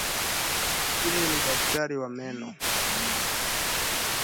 Yeye ni daktari wa meno.